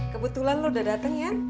kebetulan lo udah datang ya